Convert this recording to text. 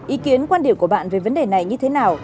ý kiến quan điểm của các em là